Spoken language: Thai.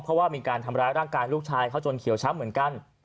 เพราะว่ามีการทำร้ายร่างกายลูกชายเขาจนเขียวช้ำเหมือนกัน